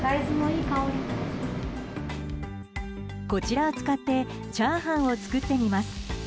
こちらを使ってチャーハンを作ってみます。